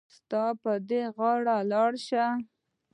ستا به په غاړه لار شي.